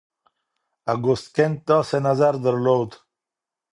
اګوست کنت داسې نظر درلود.